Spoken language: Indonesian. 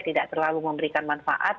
tidak terlalu memberikan manfaat